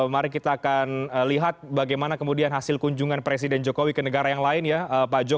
mari kita akan lihat bagaimana kemudian hasil kunjungan presiden jokowi ke negara yang lain ya pak jo